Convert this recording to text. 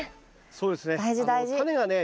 そうですね。